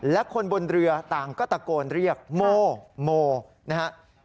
และคนบนเรือต่างก็ตะโกนเรียกโมโมนะครับ